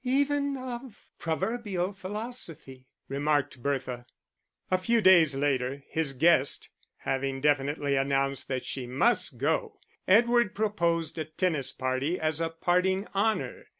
"Even of proverbial philosophy," remarked Bertha. A few days later, his guest having definitely announced that she must go, Edward proposed a tennis party as a parting honour.